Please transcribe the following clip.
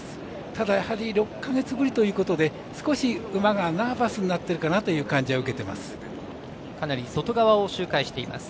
ただ、やはり６か月ぶりということで少し馬がナーバスになってるかなという感じを受けております。